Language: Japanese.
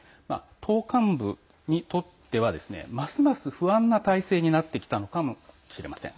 党幹部にとっては、ますます不安な体制になってきたのかもしれません。